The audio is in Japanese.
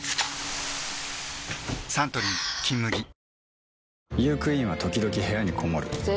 サントリー「金麦」えっ！！